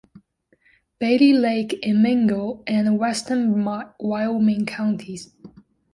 Bailey Lake in Mingo and western Wyoming Counties.